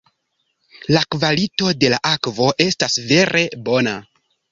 La kvalito de la akvo estas vere bona.